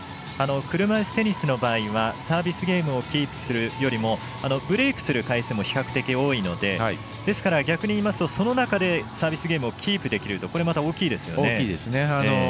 車いすテニスの場合はサービスゲームをキープするよりもブレークする回数も比較的多いのでですから、逆に言いますとその中でサービスゲームをキープできるとこれまた大きいですね。